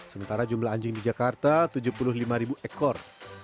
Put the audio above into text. sementara jumlah anjing di jakarta tujuh puluh lima ekor